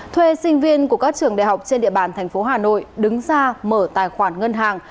thuê sinh viên của các trường đại học trên địa bàn thành phố hà nội đứng ra mở tài khoản ngân hàng